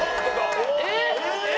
えっ！